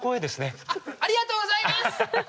ありがとうございます！